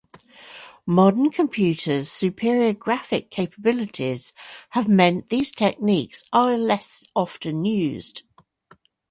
Modern computers' superior graphic capabilities have meant these techniques are less often used.